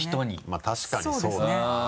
まぁ確かにそうだな。